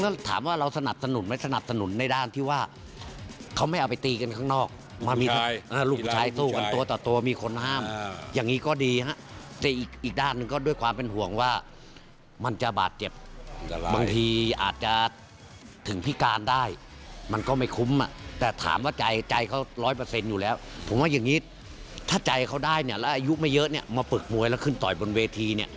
เพราะอย่างนี้ถ้าใจเขาได้แล้วอายุไม่เยอะมาปลึกมวยแล้วขึ้นต่อยบนเวที